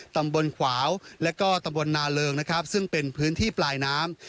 ตำบลขวาวและก็ตำบลนาเริงนะครับซึ่งเป็นพื้นที่ปลายน้ำ